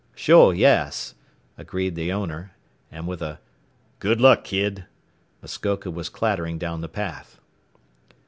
"Sure yes," agreed the owner, and with a "Good luck, kid," Muskoka was clattering down the path.